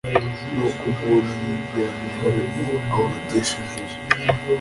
nuko umuntu yigira mu muriro awurutisha ijuru.